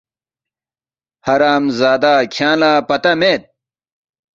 ”حرامزادہ کھیانگ لہ پتہ مید